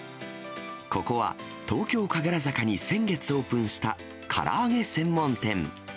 ここは東京・神楽坂に先月オープンした、から揚げ専門店。